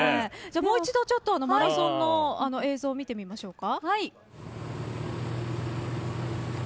もう一度マラソンの映像を見てみましょうか。